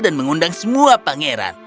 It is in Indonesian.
dan mengundang semua pangeran